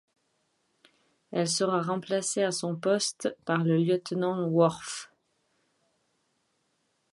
Elle sera remplacée à son poste par le lieutenant Worf.